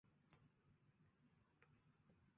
飞将的升级棋。